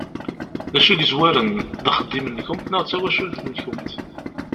D acu i yezwaren, d axeddim-nkent neɣ d tawacult-nkent?